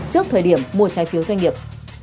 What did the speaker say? trước thời điểm mua trái phiếu doanh nghiệp